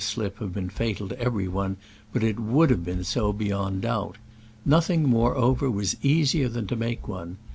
slip have been fatal to every one, but it would have been so beyond doubt : nothing, moreover, was easier than to make one.